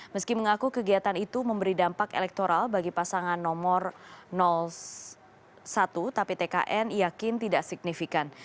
meski mengaku kegiatan itu memberi dampak elektoral bagi pasangan nomor satu tapi tkn yakin tidak signifikan